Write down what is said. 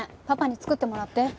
パパに作ってもらって。